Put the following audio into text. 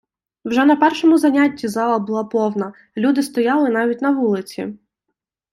Вже на першому занятті зала була повна, люди стояли навіть на вулиці.